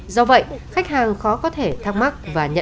do vậy khách hàng khó có thể thắc mắc và nhận